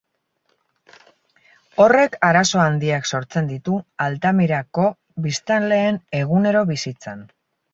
Horrek arazo handiak sortzen ditu Altamirako biztanleen egunero bizitzan.